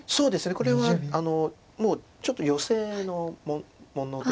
これはもうちょっとヨセのもので。